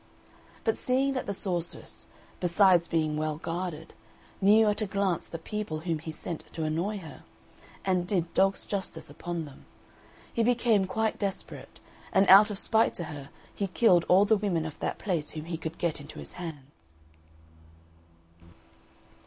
But seeing that the sorceress, besides being well guarded, knew at a glance the people whom he sent to annoy her, and did dog's justice upon them, he became quite desperate, and out of spite to her he killed all the women of that place whom he could get into his hands.